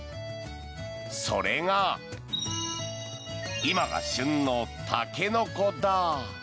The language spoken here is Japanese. それが今が旬のタケノコだ。